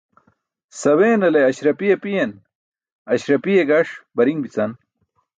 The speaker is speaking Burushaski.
Saweenale ásrapi apiyen, aśrapiye gaṣ bari̇n bi̇can.